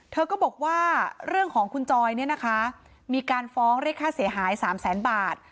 เธอก็บอกว่าเรื่องของคุณจอยมีการฟ้องเลขค่าเสียหาย๓๐๐บาท